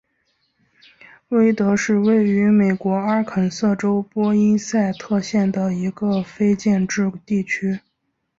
威德是位于美国阿肯色州波因塞特县的一个非建制地区。